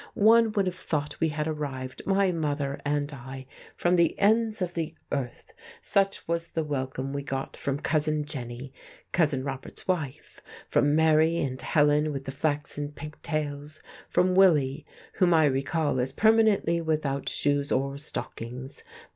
One would have thought we had arrived, my mother and I, from the ends of the earth, such was the welcome we got from Cousin Jenny, Cousin Robert's wife, from Mary and Helen with the flaxen pig tails, from Willie, whom I recall as permanently without shoes or stockings.